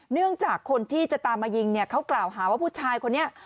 เนื่องจากคนที่จะตามมายิงเนี่ยเขากล่าวหาว่าผู้ชายคนนี้